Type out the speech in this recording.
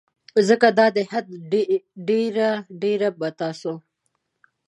ځکه دا د حده ډیر ډیر به تاسو